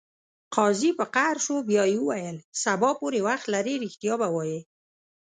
قاضي په قهر شو بیا یې وویل: سبا پورې وخت لرې ریښتیا به وایې.